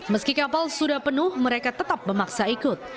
meski kapal sudah penuh mereka tetap memaksa ikut